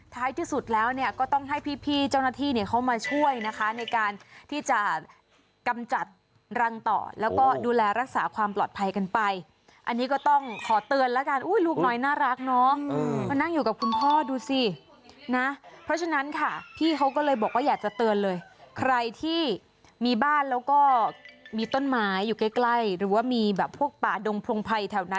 ที่สุดแล้วเนี่ยก็ต้องให้พี่เจ้าหน้าที่เนี่ยเขามาช่วยนะคะในการที่จะกำจัดรังต่อแล้วก็ดูแลรักษาความปลอดภัยกันไปอันนี้ก็ต้องขอเตือนแล้วกันอุ้ยลูกน้อยน่ารักเนาะมานั่งอยู่กับคุณพ่อดูสินะเพราะฉะนั้นค่ะพี่เขาก็เลยบอกว่าอยากจะเตือนเลยใครที่มีบ้านแล้วก็มีต้นไม้อยู่ใกล้ใกล้หรือว่ามีแบบพวกป่าดงพงภัยแถวนั้น